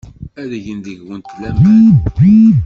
Ad gen deg-went laman.